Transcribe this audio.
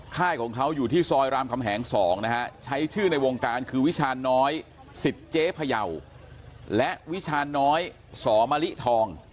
ค่ายของเขาอยู่ที่ซอยรามคำแหง๒นะฮะใช้ชื่อในวงการคือวิชาณน้อยสิทธิ์เจ๊พยาวและวิชาณน้อยสมะลิทอง